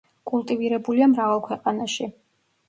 კულტივირებულია მრავალ ქვეყანაში.